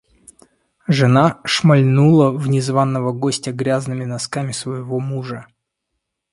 Жена шмальнула в незваного гостя грязными носками своего мужа.